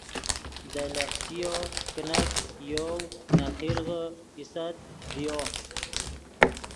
دے لخچیو کینت یَؤۡ نے خرغے اِیۡسَتۡ ڤیو